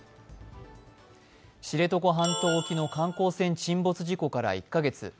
知床半島沖の観光船沈没事故から１カ月。